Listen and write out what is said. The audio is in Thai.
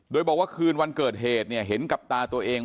โดยบอกว่าคืนวันเกิดเหตุเนี่ยเห็นกับตาตัวเอง